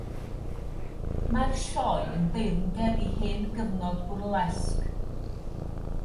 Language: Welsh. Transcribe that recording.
Mae'r sioe yn deyrnged i hen gyfnod bwrlésg.